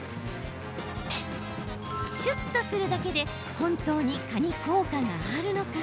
しゅっとするだけで本当に蚊に効果があるのか。